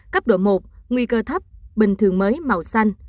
cấp độ một nguy cơ thấp bình thường mới màu xanh